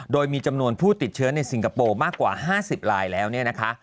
โดยมีจำนวนผู้ติดเชื้อในสิงคโปร์มากกว่า๕๐ลายแล้วเนี่ยนะคะ